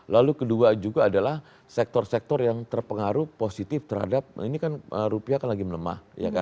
lalu kedua juga adalah sektor sektor yang terpengaruh positif terhadap ini kan rupiah kan lagi melemah